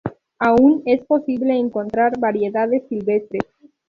Aún es posible encontrar variedades silvestres.